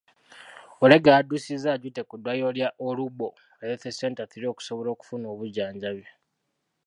Olega yaddusizza Ajute ku ddwaliro lya Olujbo Health center III okusobola okufuna obujjanjabi.